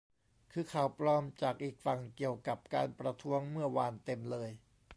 คือข่าวปลอมจากอีกฝั่งเกี่ยวกับการประท้วงเมื่อวานเต็มเลย